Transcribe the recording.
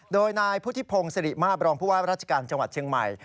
โดยนายพุทธิพงศ์สิริมาบรองผู้ว่าราชการจังหวัดเชียงใหม่